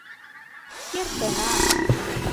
Кертына...